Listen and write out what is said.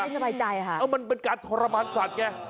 ไม่เงียบใจค่ะมันเป็นการทรมานสัตว์แก